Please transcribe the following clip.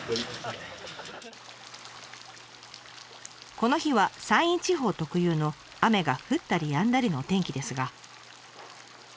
この日は山陰地方特有の雨が降ったりやんだりのお天気ですが。